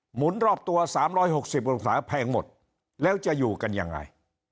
หุนรอบตัว๓๖๐องศาแพงหมดแล้วจะอยู่กันยังไง